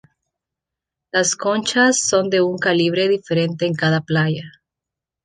Las conchas son de un calibre diferente en cada playa.